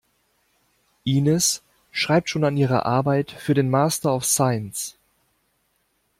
Ines schreibt schon an ihrer Arbeit für den Master of Science.